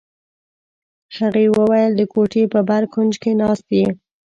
هغې وویل: د کوټې په بر کونج کې ناست یې.